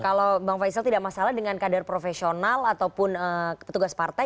kalau bang faisal tidak masalah dengan kadar profesional ataupun petugas partai